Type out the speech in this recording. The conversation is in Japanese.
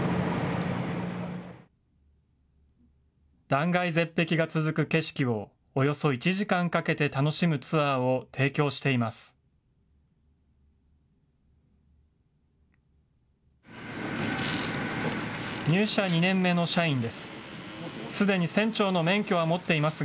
断崖絶壁が続く景色をおよそ１時間かけて楽しむツアーを提供しています。